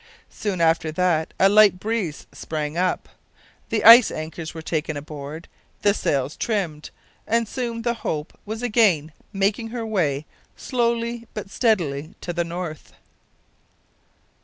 Soon after that a light breeze sprang up, the ice anchors were taken aboard, the sails trimmed, and soon the Hope was again making her way slowly but steadily to the north.